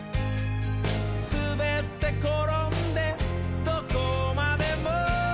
「すべってころんでどこまでも」